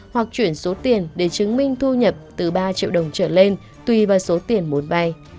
hoặc chuyển số tiền để chứng minh thu nhập từ ba triệu đồng trở lên tùy vào số tiền muốn vay